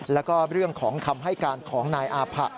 แล้วก็เรื่องของคำให้การของนายอาผะ